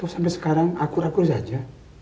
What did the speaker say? sampai sekarang akur akul saja